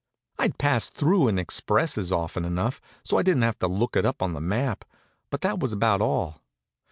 I'd passed through in expresses often enough, so I didn't have to look it up on the map; but that was about all.